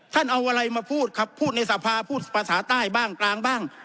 เอาอะไรมาพูดครับพูดในสภาพูดภาษาใต้บ้างกลางบ้าง